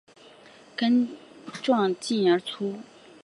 根状茎短而粗。